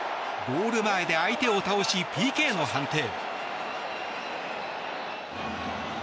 ゴール前で相手を倒しＰＫの判定。